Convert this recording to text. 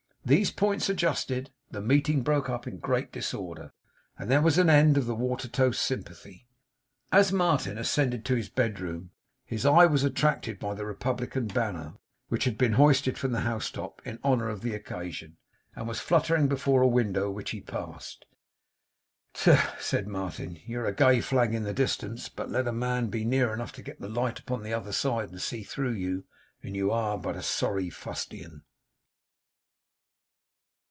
These points adjusted, the meeting broke up in great disorder, and there was an end of the Watertoast Sympathy. As Martin ascended to his bedroom, his eye was attracted by the Republican banner, which had been hoisted from the house top in honour of the occasion, and was fluttering before a window which he passed. 'Tut!' said Martin. 'You're a gay flag in the distance. But let a man be near enough to get the light upon the other side and see through you; and you are but sorry fustian!